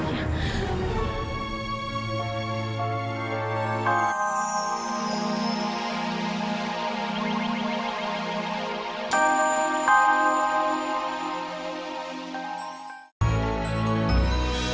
terima kasih banyak ya